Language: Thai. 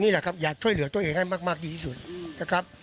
นี่แหละครับอยากช่วยเหลือต้องเองให้มากเดียวซึ่งครับ